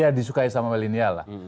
ya disukai sama milenial lah